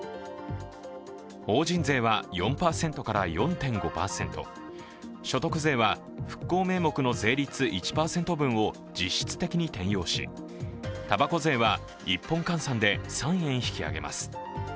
法人税は４％から４．５％、所得税は復興名目の税率１％分を実質的に転用したばこ税は１本換算で３円引き上げます。